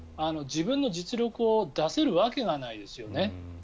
自分の実力を出せるわけがないですよね。